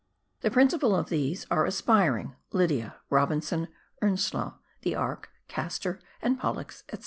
The principal of these are Aspiring, Lydia, E obinson, Earnslaw, The Ark, Castor and Pollux, &c.